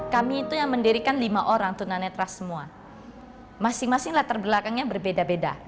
kami memiliki lima orang masing masing latar belakangnya berbeda beda